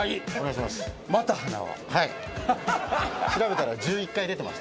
調べたら。